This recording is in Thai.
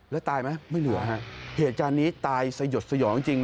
แล้วตายไหมไม่เหลือค่ะเหตุจาหนี้ตายสยดสยองจริงจริง